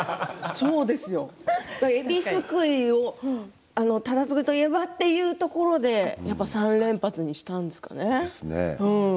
えびすくいを忠次といえばというところでね３連発にしたんですかね。